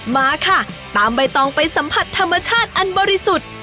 มาค่ะตามใบตองไปสัมผัสธรรมชาติอันบริสุทธิ์